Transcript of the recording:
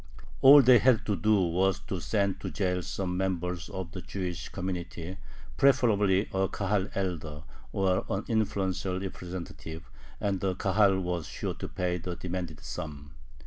All they had to do was to send to jail some member of the Jewish community, preferably a Kahal elder or an influential representative, and the Kahal was sure to pay the demanded sum.